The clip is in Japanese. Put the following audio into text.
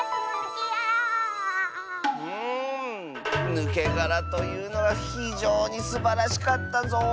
「ぬけがら」というのはひじょうにすばらしかったぞ。